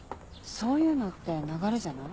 そういうのって流れじゃない？